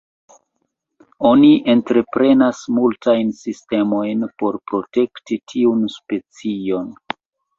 Oni entreprenas multajn sistemojn por protekti tiun specion.